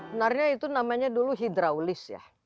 benarnya itu namanya dulu hidraulis ya